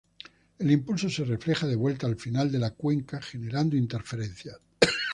El impulso se refleja de vuelta al final de la cuenca, generando interferencias.